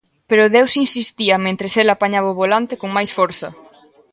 Pero deus insistía mentres el apañaba o volante con máis forza.